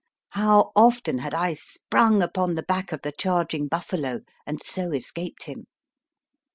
How often had I sprung upon the back of the charging buffalo and so escaped him!